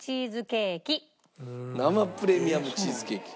生プレミアムチーズケーキ。